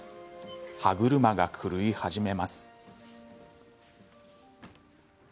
歯車が狂い始めます。